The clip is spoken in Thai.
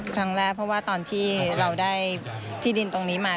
ครั้งแรกเพราะว่าตอนที่เราได้ที่ดินตรงนี้มา